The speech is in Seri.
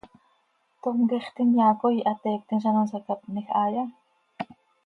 ¿Tom quixt inyaa coi hateiictim z ano nsacapnij haaya?